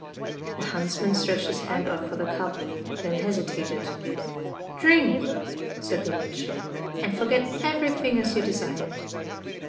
The huntsman stretched his hand out for the cup, then hestitated. "Drink," said the witch, "and forget everything as you desired."